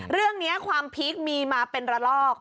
เรื่องนี้ความพีคมีมาเป็นระลอก